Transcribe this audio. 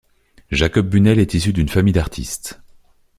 Jacob Bunel est issu d'une famille d'artistes.